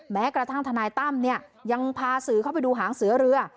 แม้กระทั่งทนายตั้มเนี่ยยังพาสื่อเข้าไปดูหางเสือเรือ